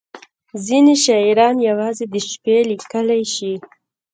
• ځینې شاعران یوازې د شپې لیکلی شي.